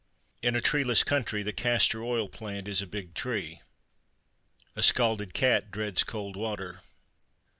In a treeless country, the castor oil plant is a big tree. A scalded cat dreads cold water.